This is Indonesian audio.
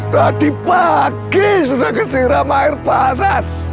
tadi pagi sudah kesiram air panas